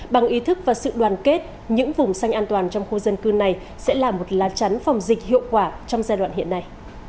bằng ý thức và sự đoàn kết những vùng xanh an toàn trong khu dân cư này sẽ là một lá chắn phòng dịch hiệu quả trong giai đoạn hiện nay